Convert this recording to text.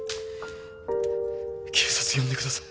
警察呼んでください。